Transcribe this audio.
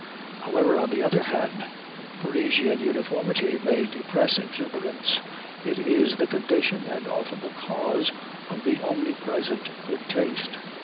However, on the other hand, Parisian uniformity may depress exuberance, it is the condition and often the cause of the omnipresent good taste.